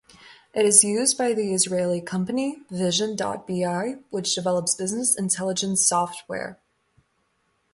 It is used by the Israeli company Vision.bi, which develops Business Intelligence software.